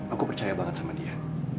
aku percaya banget sama dia